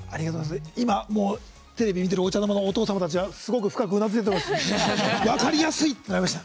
今、テレビ見てるお茶の間のお父さんたちはすごく深くうなずいていると思います。